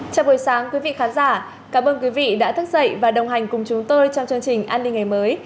chào buổi sáng quý vị khán giả cảm ơn quý vị đã thức dậy và đồng hành cùng chúng tôi trong chương trình an ninh ngày mới